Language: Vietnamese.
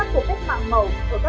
thực chất là mưu đổ